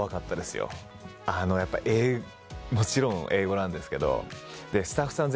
やっぱりもちろん英語なんですけど。